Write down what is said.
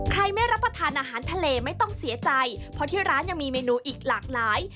ไม่รับประทานอาหารทะเลไม่ต้องเสียใจเพราะที่ร้านยังมีเมนูอีกหลากหลาย